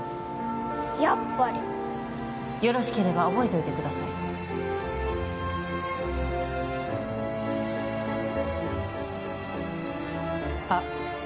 やっぱりよろしければ覚えておいてくださいあっ